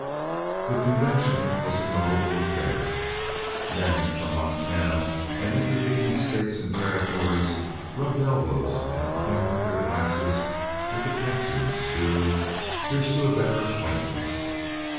The convention was a notable affair. Men from Montana and intervening States and Territories rubbed elbows and clinked their glasses with the Texans to "Here's to a better acquaintance."